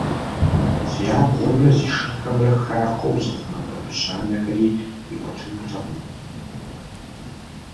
Зи абгъуэмрэ зи шырхэмрэ «хахуэу» зыхъумэ бабыщ анэхэри къикӀуэтынутэкъым.